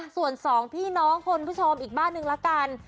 ส่วน๒พี่น้องคนผู้ชมอีกบ้านหนึ่งแล้วกัน